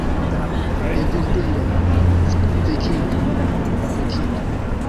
"Evildea... vekiĝu... vekiĝu..."